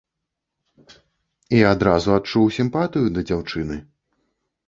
І адразу адчуў сімпатыю да дзяўчыны.